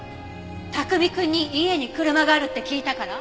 卓海くんに家に車があるって聞いたから？